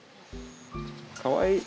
かわいい。